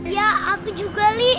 ya aku juga li